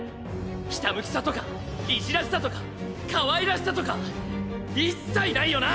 ひたむきさとかいじらしさとかかわいらしさとか一切ないよな！